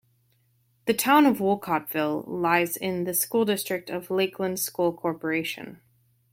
The town of Wolcottville lies in the school district of Lakeland School Corporation.